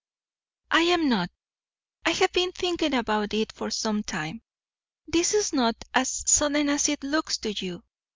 "I am not. I have been thinking about it for some time; this is not as sudden as it looks to you.